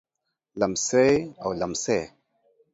لمسۍ او لمسى